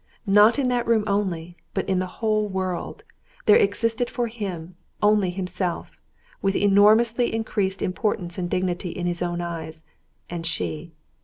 Not in that room only, but in the whole world, there existed for him only himself, with enormously increased importance and dignity in his own eyes, and she.